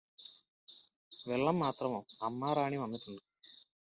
വെള്ളം മാത്രമോ അമ്മാ റാണി വന്നിട്ടുണ്ട്